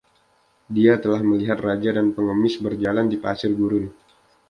Dia telah melihat raja dan pengemis berjalan di pasir gurun.